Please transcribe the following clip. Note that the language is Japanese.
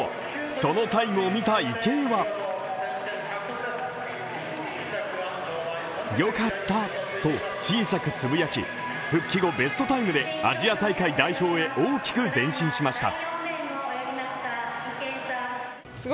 そのタイムを見た池江は良かったと、小さく呟き復帰後ベストタイムでアジア大会代表へ大きく前進しました。